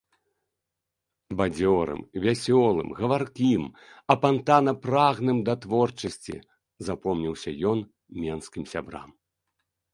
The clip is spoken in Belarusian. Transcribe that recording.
Бадзёрым, вясёлым, гаваркім, апантана прагным да творчасці запомніўся ён менскім сябрам.